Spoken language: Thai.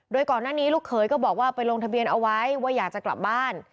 โดยก่อนหน้านี้ลูกเขยก็บอกว่าไปลงทะเบียนเอาไว้ว่าอยากจะกลับบ้าน